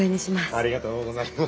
ありがとうございます。